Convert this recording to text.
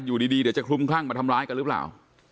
อยู่ดีเดี๋ยวจะคลุมคลั่งมาทำร้ายกันหรือเปล่า